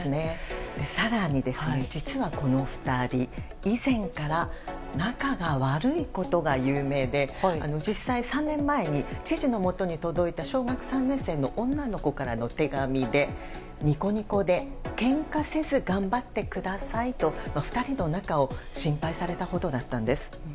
更に、実はこの２人以前から仲が悪いことが有名で実際、３年前に知事のもとに届いた小学３年生の女の子からの手紙でニコニコでけんかせず頑張ってくださいと２人の仲を心配されたほどだったんです。